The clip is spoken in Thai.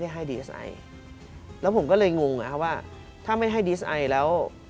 แล้วผมก็เลยงงนะครับว่าถ้าไม่ให้ดิสไอแล้ว